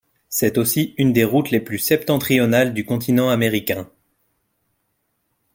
C'est aussi une des routes les plus septentrionales du continent américain.